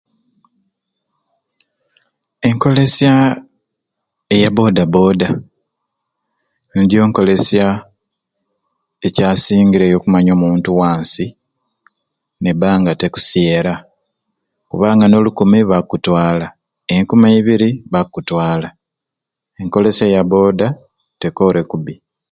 Enkolesya eya boda boda nijjo nkolesya ekyasingireyo okumanya omuntu wansi nebanga tekusyera kubanga n'olikumi bakutwala enkumi eibiri bakutwala enkolesya ya boda tekore kubi